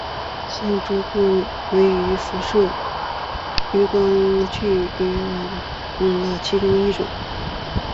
象烛光鱼为辐鳍鱼纲巨口鱼目褶胸鱼科的其中一种。